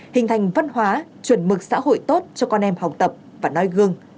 hình thành văn hóa chuẩn mực xã hội tốt cho con em học tập và nói gương